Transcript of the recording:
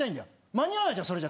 間に合わないじゃんそれじゃ。